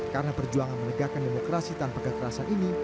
karena perjuangan menegakkan demokrasi tanpa kekerasan ini